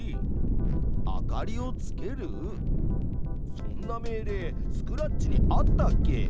そんな命令スクラッチにあったっけ？